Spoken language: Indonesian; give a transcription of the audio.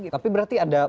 tapi berarti ada